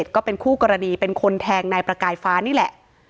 ก็เป็นคู่กรณีเป็นคนแทงนายประกายฟ้านี่แหละ